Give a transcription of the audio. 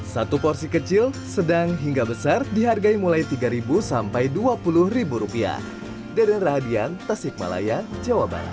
satu porsi kecil sedang hingga besar dihargai mulai tiga sampai dua puluh rupiah